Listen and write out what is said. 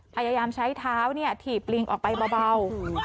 พยายามใช้เท้าถีบลิงก์ออกไปเบา